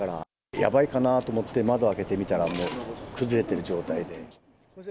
やばいかなと思って窓開けてみたら、もう崩れている状態で。